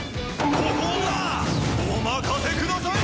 ここはお任せください！